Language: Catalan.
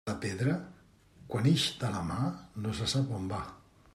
La pedra, quan ix de la mà, no se sap on va.